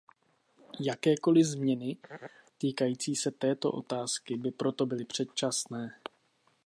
Jakékoli změny týkající se této otázky by proto byly předčasné.